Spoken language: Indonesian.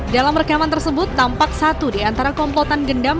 dalam rekaman tersebut tampak satu di antara komplotan gendam